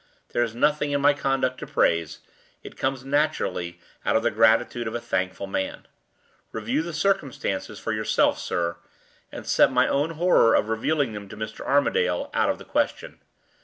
There is nothing in my conduct to praise; it comes naturally out of the gratitude of a thankful man. Review the circumstances for yourself, sir, and set my own horror of revealing them to Mr. Armadale out of the question.